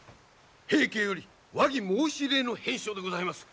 平家より和議申し入れの返書でございます。